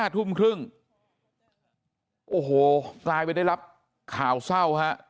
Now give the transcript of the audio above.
ทุ่มครึ่งโอ้โหกลายเป็นได้รับข่าวเศร้าฮะ